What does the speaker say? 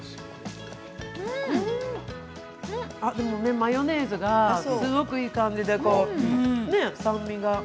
マヨネーズがすごくいい感じで酸味が。